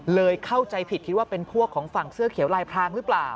เข้าใจผิดคิดว่าเป็นพวกของฝั่งเสื้อเขียวลายพรางหรือเปล่า